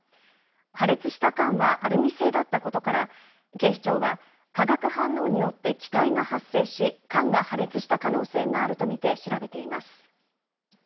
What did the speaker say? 破裂した缶はアルミ製だったことから警視庁は化学反応によって気体が発生し缶が破裂した可能性があると見て調べています。